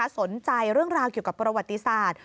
สนใจเรื่องราวเกี่ยวกับประวัติศาสตร์